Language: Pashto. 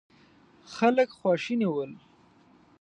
خلک خواشيني ول.